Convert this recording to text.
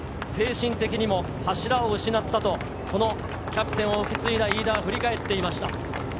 精神的にも柱を失ったとこのキャプテンを受け継いだ飯田は振り返っていました。